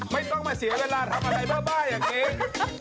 ไม่ต้องมาเสียเวลาทำอะไรบ้าอย่างนี้